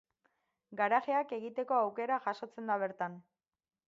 Garajeak egiteko aukera jasotzen da bertan.